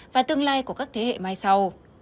và tương lai của các thế hệ mai sau